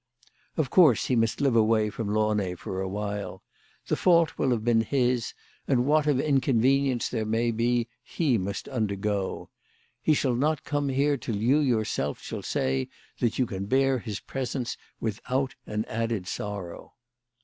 "Of course he must live away from Launay for awhile. The fault will have been his, and what of inconvenience there may be he must undergo. He shall not come here till you yourself shall say that you can bear his presence without an added sorrow.